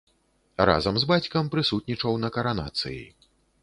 Разам з бацькам прысутнічаў на каранацыі.